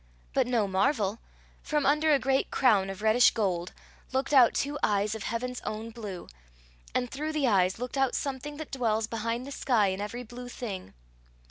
But no marvel! From under a great crown of reddish gold, looked out two eyes of heaven's own blue, and through the eyes looked out something that dwells behind the sky and every blue thing.